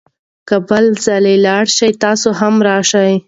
که بل ځل لاړو، تاسې هم راشئ.